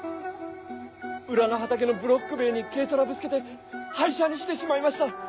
裏の畑のブロック塀に軽トラぶつけて廃車にしてしまいました